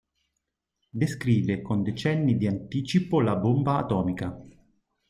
Descrive con decenni di anticipo la bomba atomica.